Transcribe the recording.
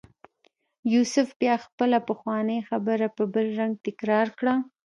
یوسف بیا خپله پخوانۍ خبره په بل رنګ تکرار کړه.